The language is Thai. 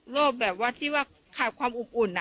แบบว่าที่ว่าขาดความอบอุ่น